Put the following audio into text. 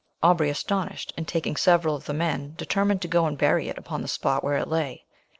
Aubrey astonished, and taking several of the men, determined to go and bury it upon the spot where it lay.